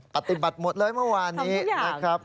ปฏิบัติหมดเลยเมื่อวานนี้ทำทุกอย่าง